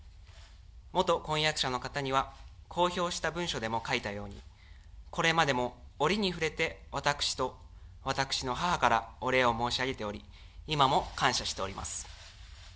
元婚約者の方には、公表した文書でも書いたように、これまでも折に触れて私と私の母からお礼を申し上げており、今も感謝しております。